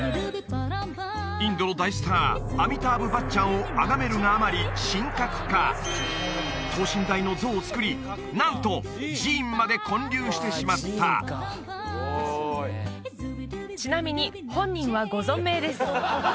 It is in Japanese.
インドの大スターアミターブ・バッチャンをあがめるがあまり神格化等身大の像をつくりなんと寺院まで建立してしまったちなみに本人はご存命です